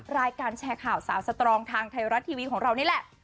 รายการแชร์ข่าวสาวสตรองทางไทยรัฐทีวีของเรานี่แหละ